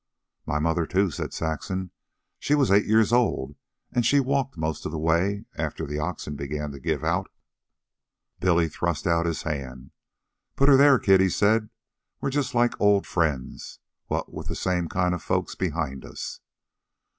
"My mother, too," said Saxon. "She was eight years old, an' she walked most of the way after the oxen began to give out." Billy thrust out his hand. "Put her there, kid," he said. "We're just like old friends, what with the same kind of folks behind us."